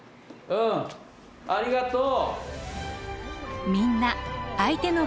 うんありがとう。